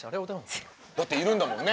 だっているんだもんね。